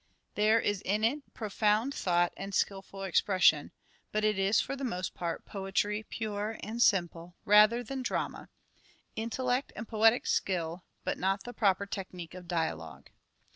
There is in it profound thought and skilful expression ; but it is for the most part poetry MANHOOD OF DE VERE : MIDDLE PERIOD 313 pure and simple rather than drama : intellect and poetic skill, but not the proper technique of dialogue.